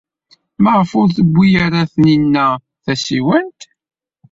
Maɣef ur tewwi ara Taninna tasiwant?